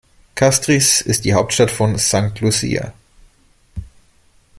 Castries ist die Hauptstadt von St. Lucia.